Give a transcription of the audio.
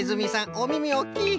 おみみおっきい。